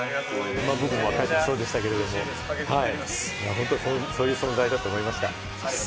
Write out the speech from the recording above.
僕も若い時そうでしたけれども、本当にそういう存在だと思いました。